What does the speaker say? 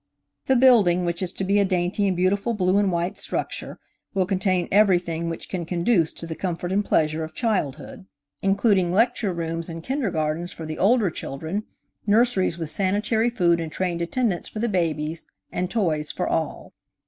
The building, which is to be a dainty and beautiful blue and white structure, will contain everything which can conduce to the comfort and pleasure of childhood, including lecture rooms and kindergartens for the older children, nurseries with sanitary food and trained attendants for the babies, and toys for all.